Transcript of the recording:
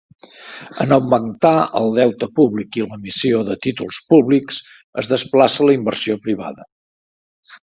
En augmentar el deute públic i l'emissió de títols públics, es desplaça la inversió privada.